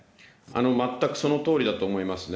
全くそのとおりだと思いますね。